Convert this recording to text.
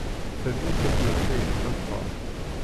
Talwit akked tayri tameqrant.